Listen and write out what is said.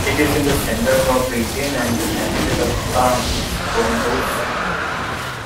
It is in Centre-Nord Region and the capital of Bam is Kongoussi.